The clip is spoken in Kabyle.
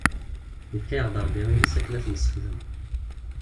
Yefka-aɣ-d Rebbi iles akken ad t-nessexdem.